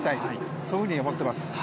そういうふうに思っています。